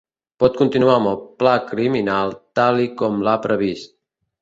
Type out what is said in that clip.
Pot continuar amb el pla criminal tal i com l'ha previst.